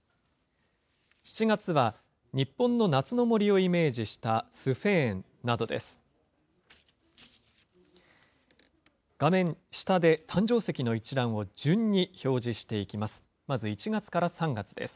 ７月は日本の夏の森をイメージしたスフェーンなどです。